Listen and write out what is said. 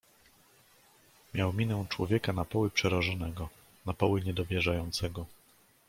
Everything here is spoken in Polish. "Miał minę człowieka na poły przerażonego, na poły niedowierzającego."